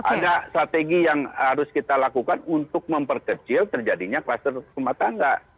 ada strategi yang harus kita lakukan untuk memperkecil terjadinya kluster rumah tangga